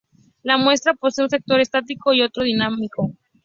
La muestra posee un sector "estático" y otro "dinámico".